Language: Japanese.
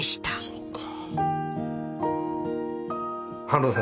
そうか。